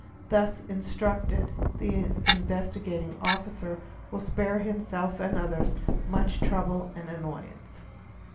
Thus instructed the Investigating Pi en i a al gee CTT Officer will spare himself and others much trouble and annoyance.